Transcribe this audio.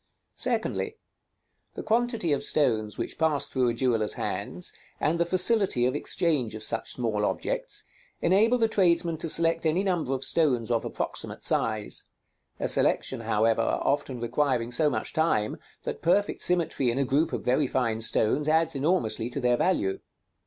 Secondly: the quantity of stones which pass through a jeweller's hands, and the facility of exchange of such small objects, enable the tradesman to select any number of stones of approximate size; a selection, however, often requiring so much time, that perfect symmetry in a group of very fine stones adds enormously to their value.